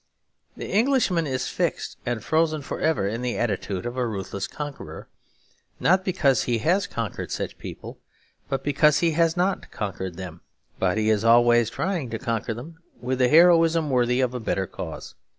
The Englishman is fixed and frozen for ever in the attitude of a ruthless conqueror; not because he has conquered such people, but because he has not conquered them; but he is always trying to conquer them with a heroism worthy of a better cause.